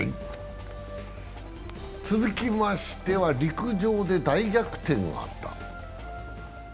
続きましては、陸上で大逆転があった。